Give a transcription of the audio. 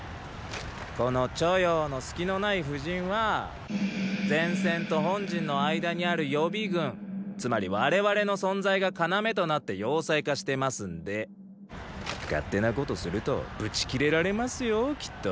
この著雍の隙のない布陣は前線と本陣の間にある予備軍つまり我々の存在が要となって要塞化してますんで勝手なことするとブチ切れられますよきっと。